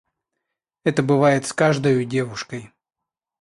Это бывает с каждою девушкой.